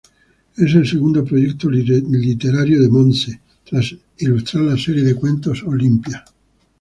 Es el segundo proyecto literario de Montse, tras ilustrar la serie de cuentos "Olympia".